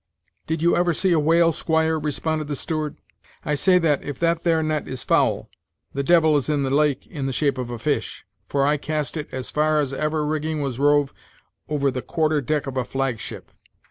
"Did you ever see a whale, squire?" responded the steward: "I say that, if that there net is foul, the devil is in the lake in the shape of a fish, for I cast it as far as ever rigging was rove over the quarter deck of a flag ship."